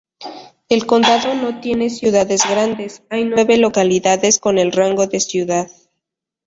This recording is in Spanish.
El condado no tiene ciudades grandes, hay nueve localidades con el rango de ciudad.